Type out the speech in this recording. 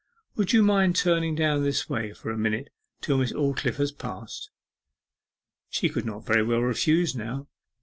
'Would you mind turning down this way for a minute till Miss Aldclyffe has passed?' She could not very well refuse now.